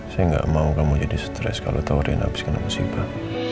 saya gak mau kamu jadi stres kalau tahu renanya habis kena musibah